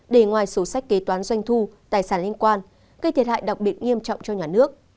để ngoài sổ sách kế toán doanh thu tài sản liên quan gây thiệt hại đặc biệt nghiêm trọng cho nhà nước